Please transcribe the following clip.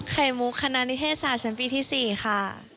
ไข่มุกคณะนิเทศศาสตร์ชั้นปีที่๔ค่ะ